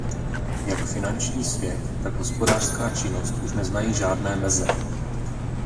Jak finanční svět, tak hospodářská činnost už neznají žádné meze.